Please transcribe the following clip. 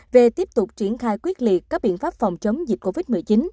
về tiếp tục triển khai quyết liệt các biện pháp phòng chống dịch covid một mươi chín